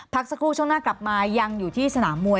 พักสักครู่ช่วงหน้ากลับมายังอยู่ที่สนามมวย